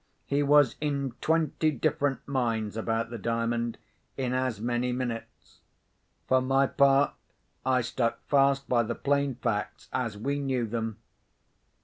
He was in twenty different minds about the Diamond in as many minutes. For my part, I stuck fast by the plain facts as we knew them.